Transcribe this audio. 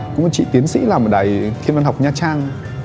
cũng chị tiến sĩ làm ở đài thiên văn học nha trang